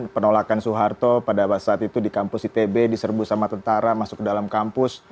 tujuh puluh dua tujuh puluh delapan penolakan soeharto pada saat itu di kampus itb diserbu sama tentara masuk ke dalam kampus